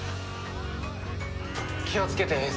気をつけて英寿。